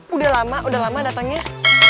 udah lama udah lama datangnya